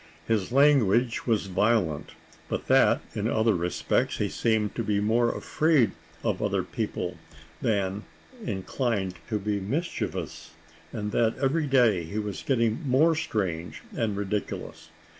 His language was violent, but that, in other respects, he seemed to be more afraid of other people than inclined to be mischievous; and that every day he was getting more strange and ridiculous.